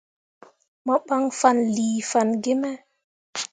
Mo ɓan fanlii fanne gi me.